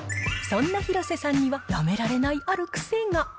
そんな広瀬さんには、やめられないある癖が。